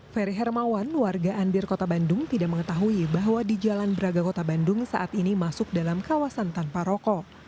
ferry hermawan warga andir kota bandung tidak mengetahui bahwa di jalan braga kota bandung saat ini masuk dalam kawasan tanpa rokok